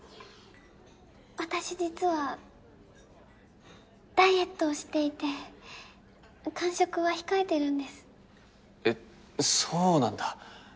私実はダイエットをしていて間食は控えてるんですえっそうなんだ